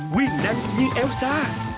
quyền năng như elsa